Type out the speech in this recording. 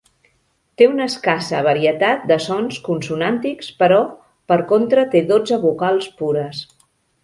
Té una escassa varietat de sons consonàntics però, per contra té dotze vocals pures.